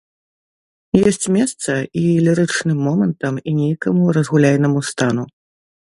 Ёсць месца і лірычным момантам і нейкаму разгуляйнаму стану.